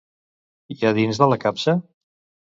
I a dins de la capsa?